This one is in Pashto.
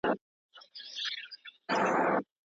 ولي افغان سوداګر کرنیز ماشین الات له چین څخه واردوي؟